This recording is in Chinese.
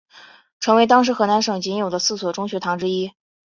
成为当时河南省仅有的四所中学堂之一。